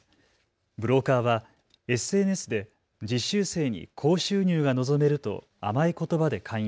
ブローカーはＳＮＳで実習生に高収入が望めると甘いことばで勧誘。